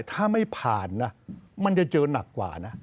ถ้าไม่ผ่านนะมันจะเจอหนักกว่านะ